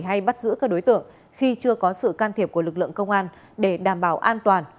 hay bắt giữ các đối tượng khi chưa có sự can thiệp của lực lượng công an để đảm bảo an toàn